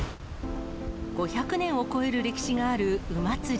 ５００年を超える歴史がある鵜祭。